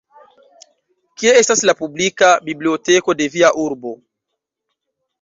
Kie estas la publika biblioteko de via urbo?